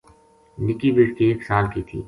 نِکی بیٹکی ایک سال کی تھی